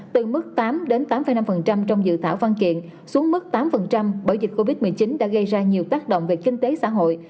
từ mức tám tám năm trong dự thảo văn kiện xuống mức tám bởi dịch covid một mươi chín đã gây ra nhiều tác động về kinh tế xã hội